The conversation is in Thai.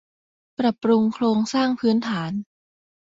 ปรับปรุงโครงสร้างพื้นฐาน